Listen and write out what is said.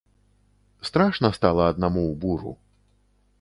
Страшна стала аднаму ў буру.